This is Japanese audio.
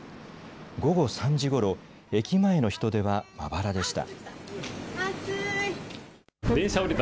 午後３時ごろ、駅前の人出はまばらでした。